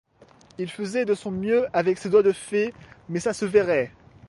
Il faisait de son mieux avec ses doigts de fée, mais ça se verrait.